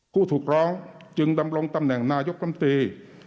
ผู้ถูกร้องจึงดำรงตำแหน่งนายกรรมตรี